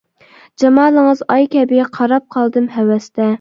جامالىڭىز ئاي كەبى قاراپ قالدىم ھەۋەستە.